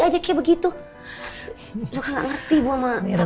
aja kayak begitu suka ngerti bu sama nirva